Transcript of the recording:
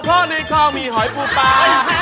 พ่อในคลองมีหอยพูปลา